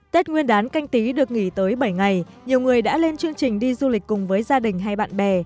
tết nguyên đán canh tí được nghỉ tới bảy ngày nhiều người đã lên chương trình đi du lịch cùng với gia đình hay bạn bè